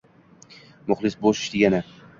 — Muxlis bo‘lish degani —